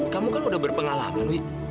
kamu kan udah berpengalaman wi